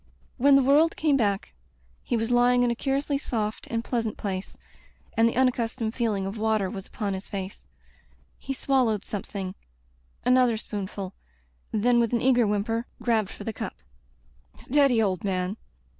When the world came back, he was lying in a curiously soft and pleasant place, and the unaccustomed feeling of water was upon his face. He swallowed something — another Digitized by LjOOQ IC A Tempered Wind spoonful — then with an eager whimper grabbed for the cup. "Steady, old man."